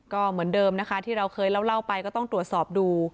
ก็เหมือนเดิมนะคะที่เราเคยเล่าไปก็ต้องตรวจสอบดู